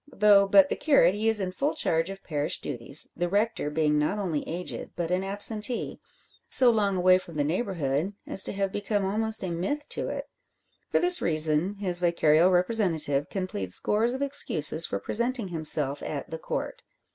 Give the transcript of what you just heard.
Though but the curate, he is in full charge of parish duties, the rector being not only aged but an absentee so long away from the neighbourhood as to have become almost a myth to it. For this reason his vicarial representative can plead scores of excuses for presenting himself at "The Court."